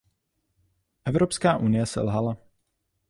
Evropská unie selhala.